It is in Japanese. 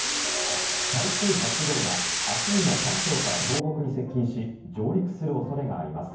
台風８号が明日にも関東から東北に接近し上陸する恐れがあります。